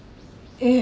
ええ。